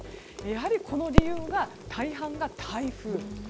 やはり、この理由の大半は台風。